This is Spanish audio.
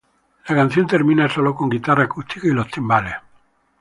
La canción termina sólo con guitarra acústica y los timbales.